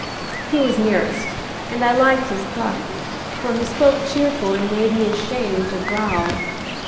He was nearest, and I liked his pluck, for he spoke cheerful and made me ashamed to growl.